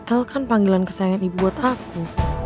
el kan panggilan kesayangan ibu buat aku